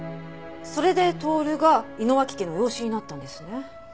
それで透が井野脇家の養子になったんですね。